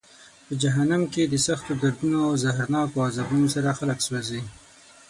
په جهنم کې د سختو دردونو او زهرناکو عذابونو سره خلک سوزي.